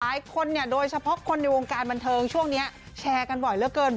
หลายคนเนี่ยโดยเฉพาะคนในวงการบันเทิงช่วงนี้แชร์กันบ่อยเหลือเกิน